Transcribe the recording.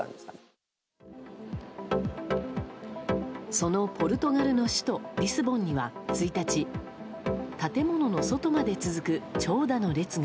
そのポルトガルの首都リスボンには１日建物の外まで続く長蛇の列が。